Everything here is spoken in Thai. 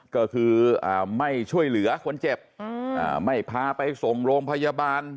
ก็คือไม่ช่วยเหลือคนเจ็บไม่พาไปส่งโรงพยาบาล